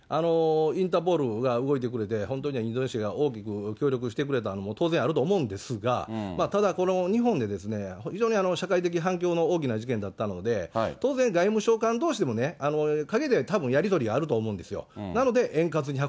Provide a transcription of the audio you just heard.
インターポールが動いてくれて、本当にインドネシアが大きく協力してくれたのも当然あると思うんですが、ただ、この日本で、非常に社会的反響の大きな事件だったので、当然、外務省間どうしでも陰でたぶんやり取りあると思うんですよ。